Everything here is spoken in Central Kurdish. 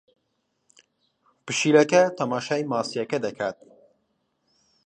پشیلەکە تەماشای ماسییەکە دەکات.